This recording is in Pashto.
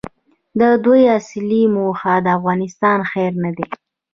د دوی اصلي موخه د افغانستان خیر نه دی.